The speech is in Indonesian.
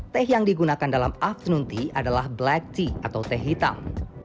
teh yang digunakan dalam afternoon tea adalah black tea atau teh hitam